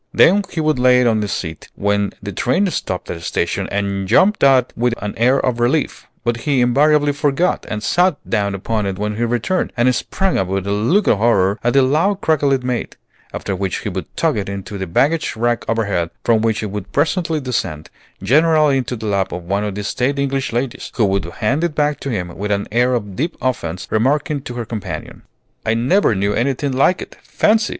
Then he would lay it on the seat when the train stopped at a station, and jump out with an air of relief; but he invariably forgot, and sat down upon it when he returned, and sprang up with a look of horror at the loud crackle it made; after which he would tuck it into the baggage rack overhead, from which it would presently descend, generally into the lap of one of the staid English ladies, who would hand it back to him with an air of deep offence, remarking to her companion, "I never knew anything like it. Fancy!